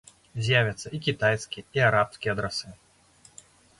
З'явяцца і кітайскія, і арабскія адрасы.